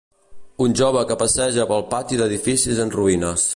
Un jove que passeja pel pati d'edificis en ruïnes.